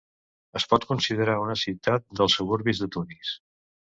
Es pot considerar una ciutat dels suburbis de Tunis.